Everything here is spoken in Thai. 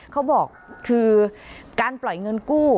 เขาบอกคือการปล่อยเงินกู้